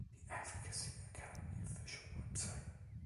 The Advocacy Academy official website